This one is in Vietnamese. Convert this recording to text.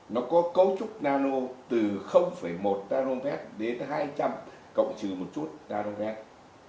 nó có cấu trúc nano từ một nanometer đến hai trăm linh cộng chữ một chút nanometer